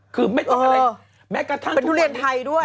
คือไม่ต้องอะไรแม้กระทั่งทุเรียนไทยด้วย